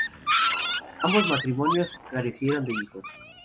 Ambos matrimonios carecieron de hijos.